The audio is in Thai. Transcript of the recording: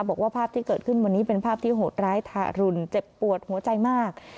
บอกว่าภาพที่เกิดขึ้นวันนี้เป็นภาพที่โหดร้ายทารุณเจ็บปวดหัวใจมาก